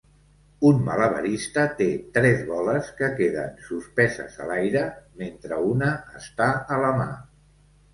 Un malabarista té tres boles que queden suspeses a l'aire mentre una està a la mà.